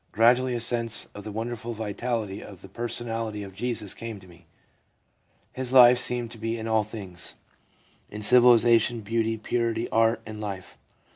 Gradually a sense of the wonderful vitality of the personality of Jesus came to me. His life seemed to be in all things — in civilisation, beauty, purity, art and life.